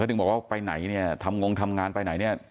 ถึงบอกว่าไปไหนเนี่ยทำงงทำงานไปไหนเนี่ย